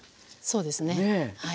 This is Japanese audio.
そうですね。